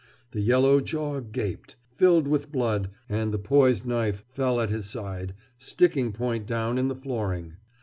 The yellow jaw gaped, filled with blood, and the poised knife fell at his side, sticking point down in the flooring.